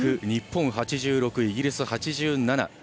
日本、８６イギリス、８７。